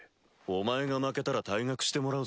お前が負けたら退学してもらうぞ。